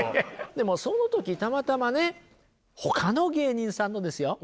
でもその時たまたまねほかの芸人さんのですよ